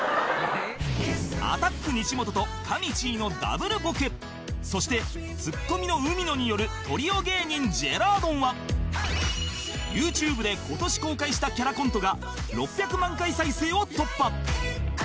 アタック西本とかみちぃの Ｗ ボケそしてツッコミの海野によるトリオ芸人ジェラードンは ＹｏｕＴｕｂｅ で今年公開したキャラコントが６００万回再生を突破